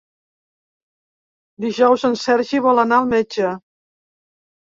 Dijous en Sergi vol anar al metge.